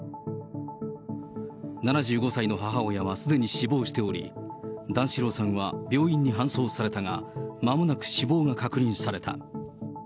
７５歳の母親はすでに死亡しており、段四郎さんは病院に搬送されたが、まもなく死亡が確認された。